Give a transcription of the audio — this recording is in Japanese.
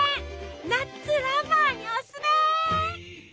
ナッツラバーにおすすめ！